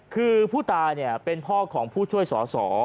คือผู้ตายเป็นพ่อของผู้ช่วยสอสอ